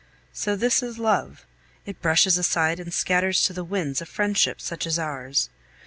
So this is love! It brushes aside and scatters to the winds a friendship such as ours!